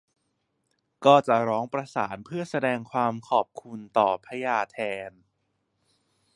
ก็จะร้องประสานเพื่อแสดงความขอบคุณต่อพญาแถน